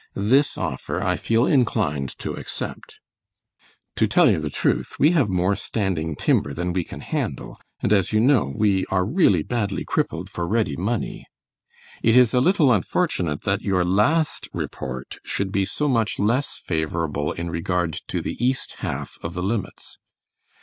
This offer I feel inclined to accept. To tell you the truth, we have more standing timber than we can handle, and as you know, we are really badly crippled for ready money. It is a little unfortunate that your last report should be so much less favorable in regard to the east half of the limits.